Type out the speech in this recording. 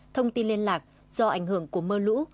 thông tin liên lạc do ảnh hưởng của mưa lũ